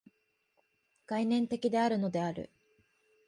概念的であるのである。